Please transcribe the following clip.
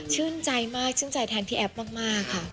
ชื่นใจมากชื่นใจแทนพี่แอฟมากค่ะ